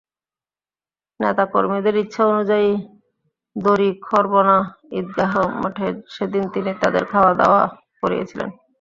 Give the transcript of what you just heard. নেতা কর্মীদের ইচ্ছা অনুযায়ী দড়িখরবনা ঈদগাহ মাঠে সেদিন তিনি তাঁদের খাওয়াদাওয়া করিয়েছিলেন।